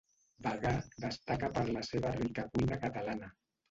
Bagà destaca per la seva rica cuina catalana.